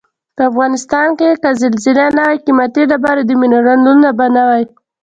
په افغنستان کې که زلزلې نه وای قیمتي ډبرې او منرالونه به نه وای.